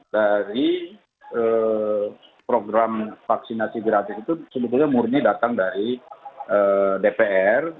dari program vaksinasi gratis itu sebetulnya murni datang dari dpr